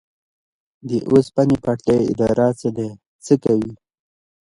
د اوسپنې پټلۍ اداره څه کوي؟